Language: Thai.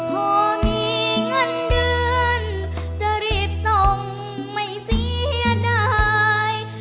พอมีเงินเดือนจะรีบส่งไม่เสียดาย